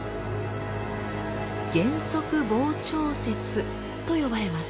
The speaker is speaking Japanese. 「減速膨張説」と呼ばれます。